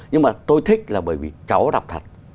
nhưng mà tôi thích là bởi vì cháu đọc thật